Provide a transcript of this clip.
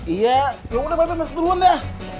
iya yaudah mbak be masuk duluan deh